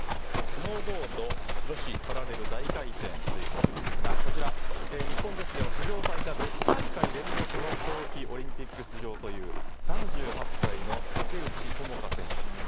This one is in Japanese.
スノーボード女子パラレル大回転という種目なのですがこちら、日本女子では史上最多６大会連続の冬季オリンピック出場という３８歳の竹内智香選手。